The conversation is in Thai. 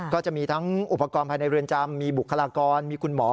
ก็จะมีทั้งอุปกรณ์ภายในเรือนจำมีบุคลากรมีคุณหมอ